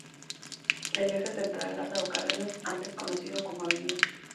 El Eje Central Lázaro Cárdenas antes conocido como Av.